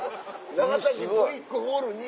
長崎ブリックホールに。